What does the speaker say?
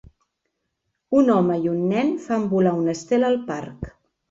Un home i un nen fan volar un estel al parc.